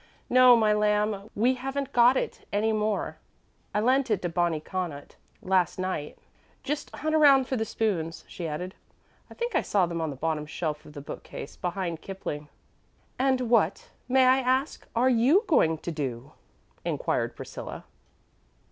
"No, my lamb; we haven't got it any more. I lent it to Bonnie Connaught last night. Just hunt around for the spoons," she added. "I think I saw them on the bottom shelf of the bookcase, behind Kipling." "And what, may I ask, are you going to do?" inquired Priscilla.